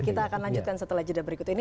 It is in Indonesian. kita akan lanjutkan setelah jeda berikut ini